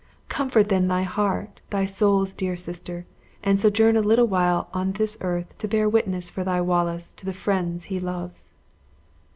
Comfort then thy heart, my soul's dear sister, and sojourn a little while on this earth to bear witness for thy Wallace to the friends he loves."